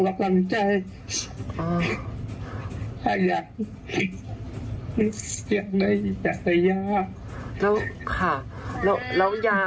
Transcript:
ขอบคุณครับไม่เอาแบบกำจัยอยากได้ภารยา